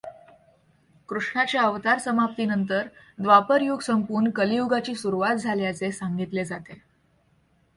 कृष्णाच्या अवतारसमाप्तीनंतर द्वापरयुग संपून कलियुगाची सुरुवात झाल्याचे सांगितले जाते.